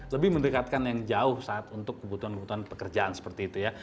lebih mendekatkan yang jauh saat untuk kebutuhan kebutuhan pekerjaan seperti itu ya